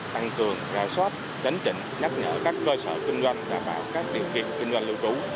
tăng cường ra soát chấn chỉnh nhắc nhở các cơ sở kinh doanh đảm bảo các điều kiện kinh doanh lưu trú